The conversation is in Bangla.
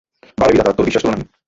বাহ রে বিধাতা, তোর বিশ্বাস তুলনাহীন।